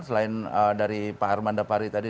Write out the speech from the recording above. selain dari pak armanda pari tadi